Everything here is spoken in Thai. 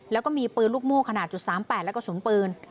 แล้วก็มีปืนลูกม่วงขนาดจุดสามแปดแล้วก็ศูนย์ปืน